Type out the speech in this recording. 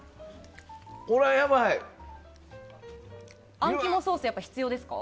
あん肝ソースが必要ですか？